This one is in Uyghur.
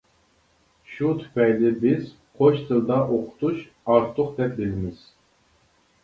شۇ تۈپەيلى بىز «قوش تىلدا» ئوقۇتۇش ئارتۇق دەپ بىلىمىز.